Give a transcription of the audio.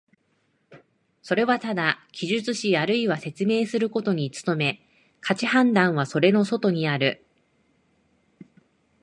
それはただ記述しあるいは説明することに努め、価値判断はそれの外にある。